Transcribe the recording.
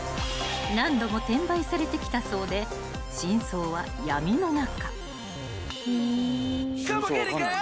［何度も転売されてきたそうで真相は闇の中］